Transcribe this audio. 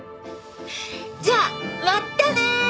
「じゃあまったね！」